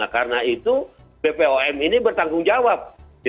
karena itu bpom ini bertanggung jawab